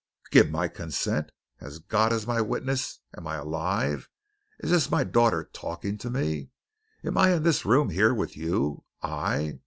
"Give my consent! As God is my witness! Am I alive? Is this my daughter talking to me? Am I in this room here with you? I."